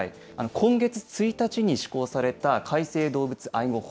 今月１日に施行された改正動物愛護法。